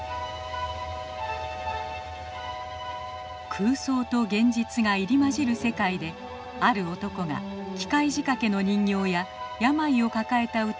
空想と現実が入り交じる世界である男が機械仕掛けの人形や病を抱えた歌姫に恋をする物語。